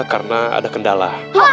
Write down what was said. karena ada kendala